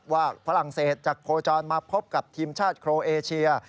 ฝรั่งเศสจากโคจรมาพบกับทีมชาติโครเอเชีย